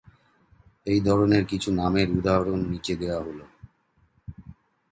এই ধরনের কিছু নামের উদাহরণ নীচে দেওয়া হল।